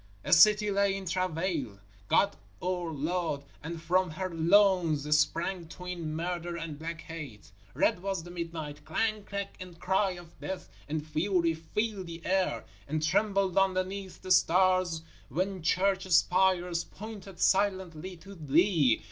_ A city lay in travail, God our Lord, and from her loins sprang twin Murder and Black Hate. Red was the midnight; clang, crack and cry of death and fury filled the air and trembled underneath the stars when church spires pointed silently to Thee.